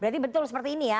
berarti betul seperti ini ya